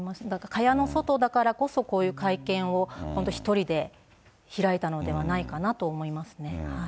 かやの外だからこそ、こういう会見を本当１人で開いたのではないかなと思いますね。